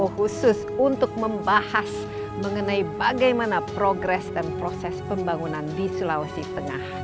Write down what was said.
khusus untuk membahas mengenai bagaimana progres dan proses pembangunan di sulawesi tengah